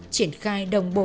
triển khai đồng bộ